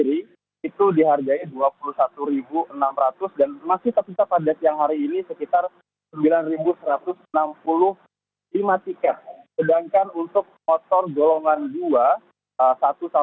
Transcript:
itu dihargai rp lima puluh delapan lima ratus lima puluh tiket rp lima puluh dan masih terpisah rp empat ratus tiket itu untuk penyeberangan di jam lima hingga jam enam